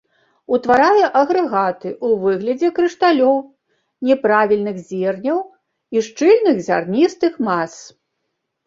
Утварае агрэгаты ў выглядзе крышталёў, няправільных зерняў і шчыльных зярністых мас.